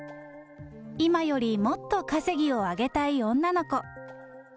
今よりもっと稼ぎを上げたい女の子。